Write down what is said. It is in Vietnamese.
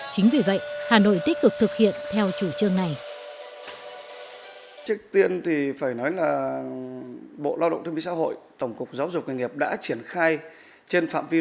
chính vì vậy hà nội tích cực thực hiện theo chủ trương này